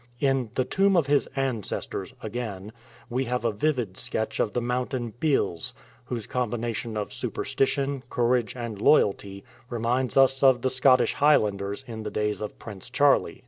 In " The Tomb of his Ancestors," again, we have a vivid sketch of the mountain Bhils, whose combination of superstition, courage, and loyalty reminds us of the Scottish Highlanders in the days of Prince Charlie.